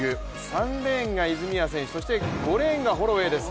３レーンが泉谷選手、そして５レーンがホロウェイです。